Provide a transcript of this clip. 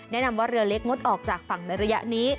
แนะนำว่าเรือเล็กงดออกจากฝั่งในระยะนี้